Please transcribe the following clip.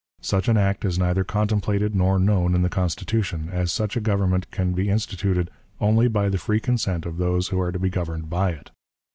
Such an act is neither contemplated nor known in the Constitution, as such a government can be instituted only by the free consent of those who are to be governed by it.